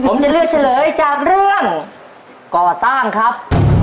ผมจะเลือกเฉลยจากเรื่องก่อสร้างครับ